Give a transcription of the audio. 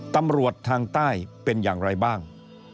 ตำรวจทางใต้เป็นอย่างไรบ้าง